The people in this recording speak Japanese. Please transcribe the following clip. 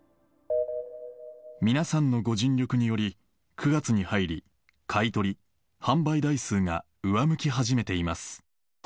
皆さんのご尽力により、９月に入り、買い取り・販売台数が上向き始めています。